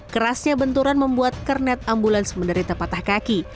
kerasnya benturan membuat kernet ambulans menderita patah kaki